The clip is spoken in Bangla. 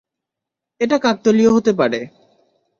এটা কাকতালীয় হতে পারে!